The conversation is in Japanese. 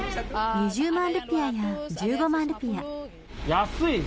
２０万ルピア、１５万ルピア。